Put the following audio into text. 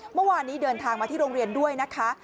เมื่อวานนี้เดินทางมาที่โรงเรียนด้วยนะคะ